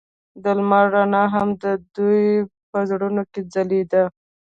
د لمر رڼا هم د دوی په زړونو کې ځلېده.